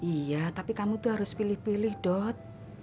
iya tapi kamu tuh harus pilih pilih dok